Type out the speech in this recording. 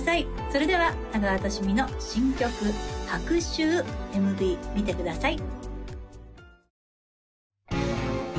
それでは田川寿美の新曲「白秋」ＭＶ見てください